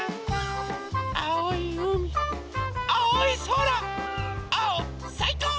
あおいうみあおいそら！あおさいこう！